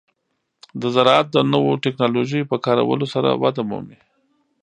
د زراعت د نوو ټکنالوژیو په کارولو سره وده مومي.